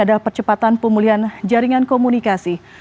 untuk penyelesaian jaringan komunikasi